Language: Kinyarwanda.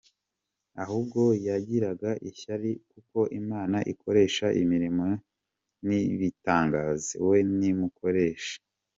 Ahubwo yangiriraga ishyari kuko Imana inkoresha imirimo n’ibitangaza, we ntimukoreshe.